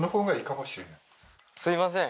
すいません